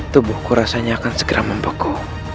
tubuhku rasanya akan segera membeku